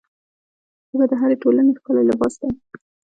ژبه د هرې ټولنې ښکلی لباس دی